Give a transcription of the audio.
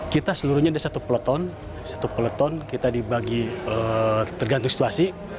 kita seluruhnya ada satu peleton kita dibagi tergantung situasi